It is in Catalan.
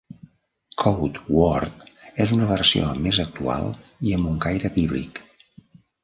CodeWord és una versió més actual i amb un caire bíblic.